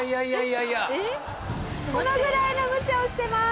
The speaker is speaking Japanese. このぐらいのむちゃをしてます。